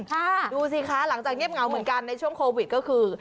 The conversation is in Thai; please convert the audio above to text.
ดูสิคะหลังจากเงียบเหงาเหมือนกันในช่วงโควิดก็คือ